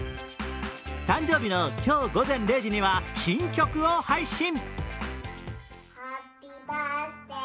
誕生日の今日午前０時には新曲を配信。